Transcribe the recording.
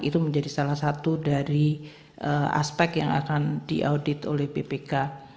itu menjadi salah satu dari aspek yang akan diaudit oleh bpk